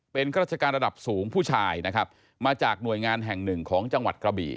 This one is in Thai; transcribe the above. เป็นข้าราชการระดับสูงผู้ชายนะครับมาจากหน่วยงานแห่งหนึ่งของจังหวัดกระบี่